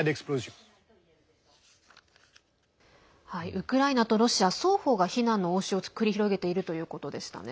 ウクライナとロシア双方が非難の応酬を繰り広げているということでしたね。